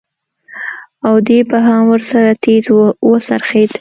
او دى به هم ورسره تېز وڅرخېد.